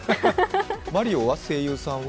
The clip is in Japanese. マリオは、声優さんは？